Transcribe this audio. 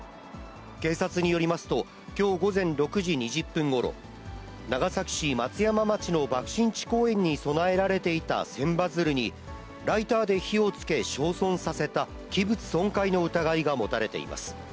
警察によりますと、きょう午前６時２０分ごろ、長崎市松山町の爆心地公園に供えられていた千羽鶴に、ライターで火をつけ焼損させた、器物損壊の疑いが持たれています。